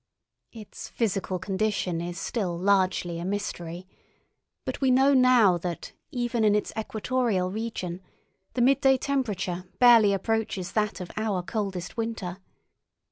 Its physical condition is still largely a mystery, but we know now that even in its equatorial region the midday temperature barely approaches that of our coldest winter.